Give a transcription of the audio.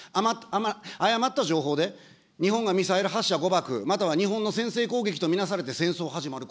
誤った情報で日本がミサイル発射、誤爆、または日本の先制攻撃と見なされて戦争始まる。